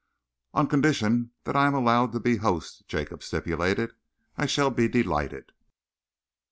"On condition that I am allowed to be host," Jacob stipulated, "I shall be delighted."